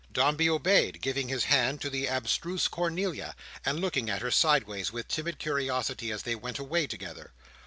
Dombey obeyed; giving his hand to the abstruse Cornelia, and looking at her sideways, with timid curiosity, as they went away together.